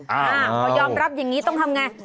พอยอมรับอย่างนี้ต้องทำไง